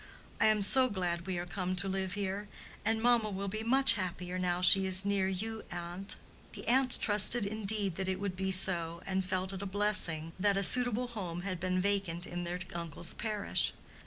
I am so glad we are come to live here. And mamma will be much happier now she is near you, aunt." The aunt trusted indeed that it would be so, and felt it a blessing that a suitable home had been vacant in their uncle's parish.